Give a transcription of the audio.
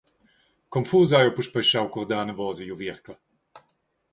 Confus hai jeu puspei laschau curdar anavos igl uvierchel.